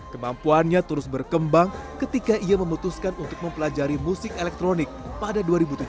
kemampuannya terus berkembang ketika ia memutuskan untuk mempelajari musik elektronik pada dua ribu tujuh belas